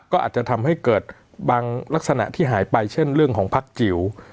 ก็อาจจะทำให้เกิดบางลักษณะที่หายไปเช่นเรื่องของพักจิ๋ว